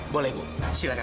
boleh bu silakan